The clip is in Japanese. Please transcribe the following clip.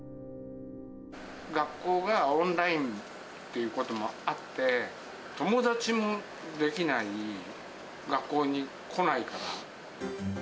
学校がオンラインっていうこともあって、友達もできない、学校に来ないから。